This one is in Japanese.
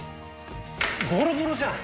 ボロボロじゃん